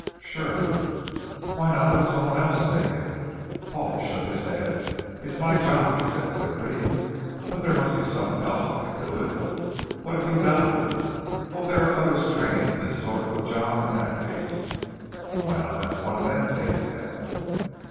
"Sure." "Why not let someone else take it." Paul shook his head. "It's my job," he said quickly. "But there must be someone else that can do it. What if you died?" "Oh, there are others trained in this sort of job in that case." "Why not let one of them take it, then?"